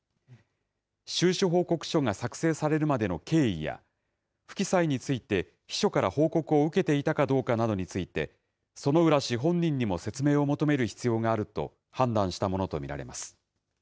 収支報告書が作成されるまでの経緯や、不記載について秘書から報告を受けていたかどうかについて、薗浦氏本人にも説明を求める必要があると判断したものと見られます。